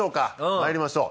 まいりましょう。